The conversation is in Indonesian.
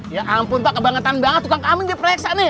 ya ampun pak kebangetan banget tukang kambing diperiksa nih